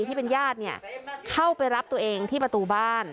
ที่เป็นญาติเนี่ยเข้าไปรับตัวเองที่ประตูบ้าน